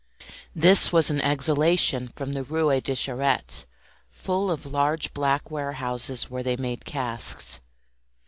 This was an exhalation from the Rue des Charrettes, full of large black warehouses where they made casks.